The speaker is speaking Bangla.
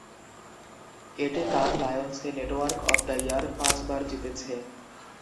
এটি কান লায়ন্সে "নেটওয়ার্ক অব দ্য ইয়ার" পাঁচবার জিতেছে।